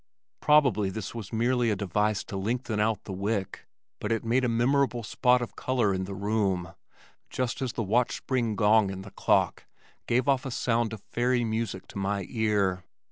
Probably this was merely a device to lengthen out the wick, but it made a memorable spot of color in the room just as the watch spring gong in the clock gave off a sound of fairy music to my ear.